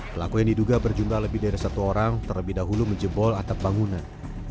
pelaku yang diduga berjumlah lebih dari satu orang terlebih dahulu menjebol atap bangunan